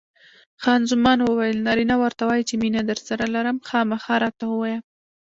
خان زمان وویل: نارینه ورته وایي چې مینه درسره لرم؟ خامخا راته ووایه.